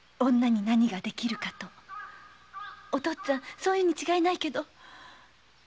女に何ができるかとお父っつぁんそう言うに違いないけど。